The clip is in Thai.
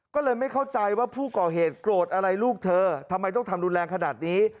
ก็เลยไม่เข้าใจว่าผู้ก่อเหตุโกรธอะไรลูกเธอทำไมต้องทำรุนแรงขนาดนี้